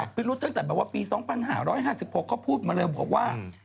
สักปิดรุดตั้งแต่แบบว่าปี๒๕๕๖ก็พูดมาเลยว่า